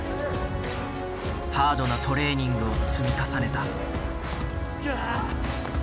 ハードなトレーニングを積み重ねた。